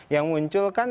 yang muncul kan